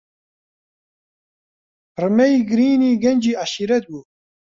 پڕمەی گرینی گەنجی عەشیرەت بوو.